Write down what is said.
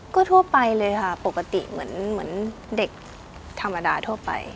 ก็ทั่วไปเลยค่ะปกติเหมือนเด็กธรรมดาทั่วไป